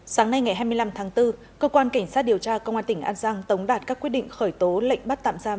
sáng nay ngày hai mươi năm tháng bốn cơ quan cảnh sát điều tra công an tỉnh an giang tống đạt các quyết định khởi tố lệnh bắt tạm giam